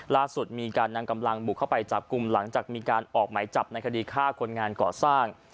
ล่าสุดมีการนำกำลังบุกเข้าไปจับกลุ่มหลังจากมีการออกหมายจับในคดีฆ่าคนงานก่อสร้าง